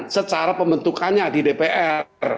secara pembentukannya di dpr